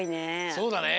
そうだね。